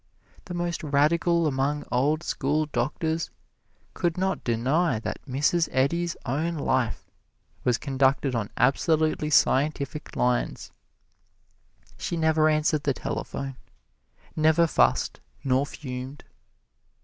The most radical among old school doctors could not deny that Mrs. Eddy's own life was conducted on absolutely scientific lines. She never answered the telephone, never fussed nor fumed.